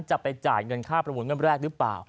จะไปจ่ายเงินค่าประมูลเริ่มแรกหรือเปล่า